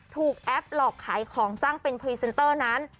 แอปหลอกขายของจ้างเป็นพรีเซนเตอร์นั้น